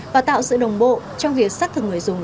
và tạo sự đồng bộ trong việc xác thực người dùng